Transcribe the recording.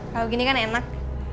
kalau gini kan enak